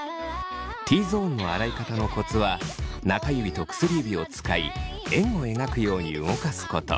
Ｔゾーンの洗い方のコツは中指と薬指を使い円を描くように動かすこと。